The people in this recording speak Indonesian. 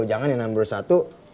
jangan yang number satu